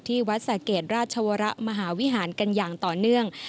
วัดสะเกดราชวระมหาวิหารกันอย่างต่อเนื่อง